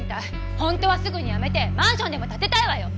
本当はすぐにやめてマンションでも建てたいわよ！